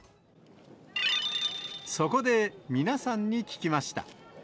そこで、皆さんに聞きました。